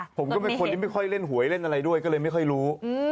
ผมก็เป็นคนที่ไม่ค่อยเล่นหวยเล่นอะไรด้วยก็เลยไม่ค่อยรู้